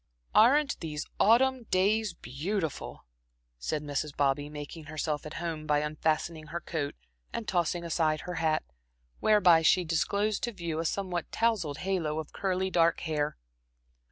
"Aren't these autumn days beautiful!" said Mrs. Bobby, making herself at home by unfastening her coat and tossing aside her hat, whereby she disclosed to view a somewhat tousled halo of curly dark hair.